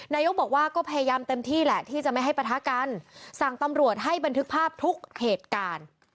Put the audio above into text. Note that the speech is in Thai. นายกบอกว่าก็พยายามเต็มที่แหละที่จะไม่ให้ปะทะกันสั่งตำรวจให้บันทึกภาพทุกเหตุการณ์